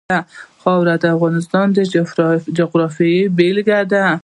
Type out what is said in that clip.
خاوره د افغانستان د جغرافیې بېلګه ده.